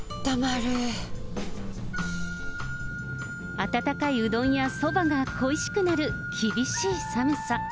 温かいうどんやそばが恋しくなる、厳しい寒さ。